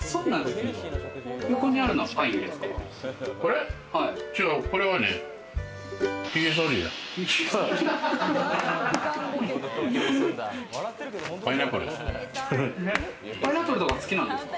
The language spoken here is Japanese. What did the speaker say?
横にあるのはパインですか？